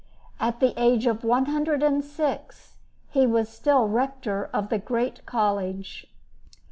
At the age of one hundred and six, he was still Rector of the Great College.